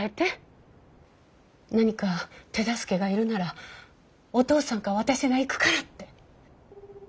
何か手助けがいるならおとうさんか私が行くからって。